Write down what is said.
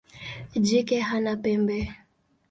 Jike hana pembe.